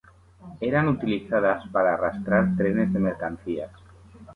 Eran utilizadas para arrastrar trenes de mercancías.